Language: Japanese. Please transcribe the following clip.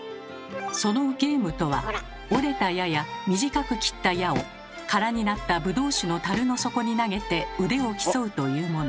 そのゲームとは折れた矢や短く切った矢を空になったブドウ酒のタルの底に投げて腕を競うというもの。